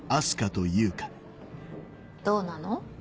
どうなの？